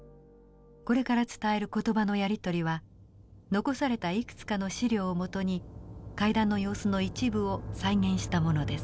これから伝える言葉のやり取りは残されたいくつかの資料を基に会談の様子の一部を再現したものです。